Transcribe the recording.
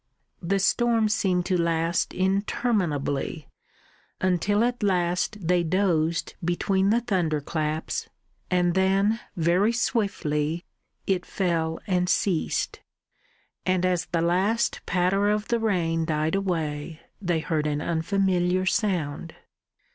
The storm seemed to last interminably, until at last they dozed between the thunderclaps, and then very swiftly it fell and ceased. And as the last patter of the rain died away they heard an unfamiliar sound.